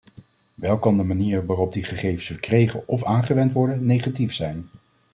Wel kan de manier waarop die gegevens verkregen of aangewend worden negatief zijn.